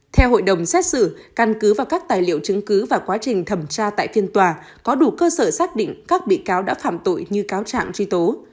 theo hội đồng xét xử căn cứ vào các tài liệu chứng cứ và quá trình thẩm tra tại phiên tòa có đủ cơ sở xác định các bị cáo đã phạm tội như cáo trạng truy tố